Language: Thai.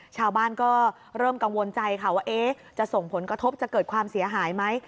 ชาวบ้านก็เริ่มกังวลใจค่ะว่าจะส่งผลกระทบจะเกิดความเสียหายไหม